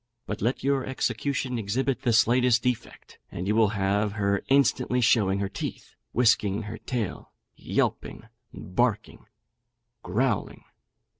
But let your execution exhibit the slightest defect, and you will have her instantly showing her teeth, whisking her tail, yelping, barking, and growling.